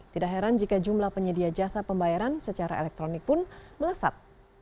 tidak heran jika jumlah penyedia jasa pembayaran secara elektronik pun melesat